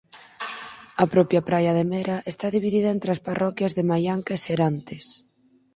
A propia praia de Mera está dividida entre as parroquias de Maianca e Serantes.